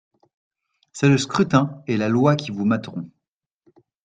C'est le scrutin et la loi qui vous materont.